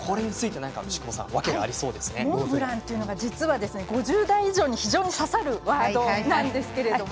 モンブランというのが実は、５０代以上に非常に刺さるワードなんです。